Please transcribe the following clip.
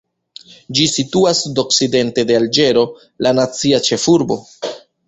Ĝi situas sudokcidente de Alĝero, la nacia ĉefurbo.